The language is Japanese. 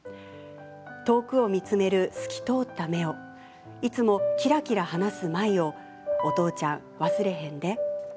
遠くを見つめる透き通った目をいつもキラキラ話す舞をお父ちゃん忘れへんで。